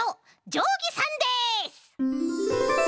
じょうぎさんです！